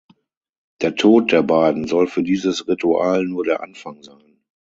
Der Tod der beiden soll für dieses Ritual nur der Anfang sein.